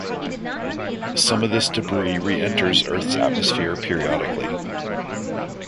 Some of this debris re-enters Earth's atmosphere periodically.